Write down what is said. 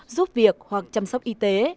giúp việc hoặc chăm sóc y tế